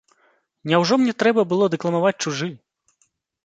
Няўжо мне трэба было дэкламаваць чужы?